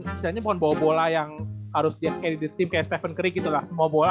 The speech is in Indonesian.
istilahnya bukan bawa bola yang harus di carry di tim kayak stephen curry gitu lah